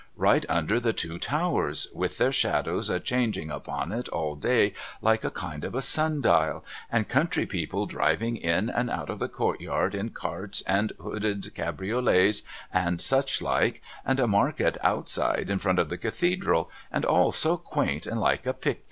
Right under the two towers, with their shadows a changing upon it all day like a kind of a sundial, and country people driving in and out of the court yard in carts and hooded cabriolets and such like, and a market outside in front of the cathedral, and all so quaint and like a picter.